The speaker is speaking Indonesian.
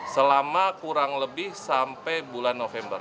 selama kurang lebih sampai bulan november